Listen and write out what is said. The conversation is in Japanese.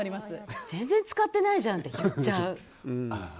全然使ってないじゃんって言っちゃう。